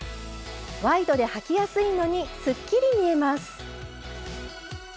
ワイドではきやすいのにすっきり見えます。